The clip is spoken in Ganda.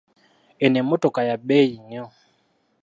Eno emottoka ya beeyi nnyo.